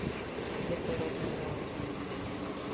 Je to rozumné.